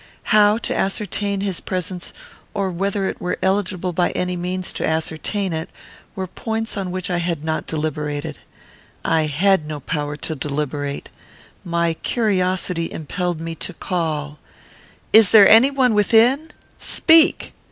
How to ascertain his presence, or whether it were eligible by any means to ascertain it, were points on which I had not deliberated. I had no power to deliberate. My curiosity impelled me to call, "Is there any one within? Speak."